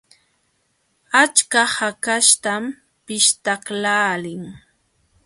Achka hakaśhtam pishtaqlaalin.